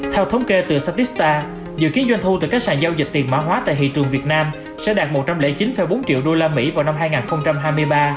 theo thống kê từ satista dự kiến doanh thu từ các sàn giao dịch tiền mã hóa tại thị trường việt nam sẽ đạt một trăm linh chín bốn triệu usd vào năm hai nghìn hai mươi ba